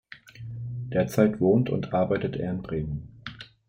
Derzeit wohnt und arbeitet er in Bremen.